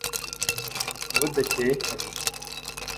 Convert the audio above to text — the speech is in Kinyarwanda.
Budacyeye kabiri